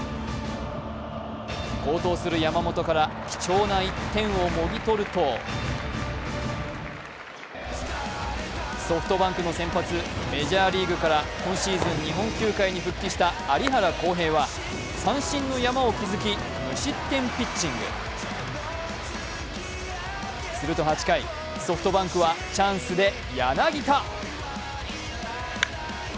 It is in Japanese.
好投する山本から貴重な一点をもぎ取るとソフトバンクの先発メジャーリーグから今シーズン日本球界に復帰した有原航平は三振の山を築き、無失点ピッチングすると８回、ソフトバンクはチャンスで柳田。